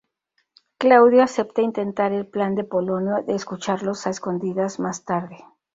Claudio acepta intentar el plan de Polonio de escucharlos a escondidas más tarde.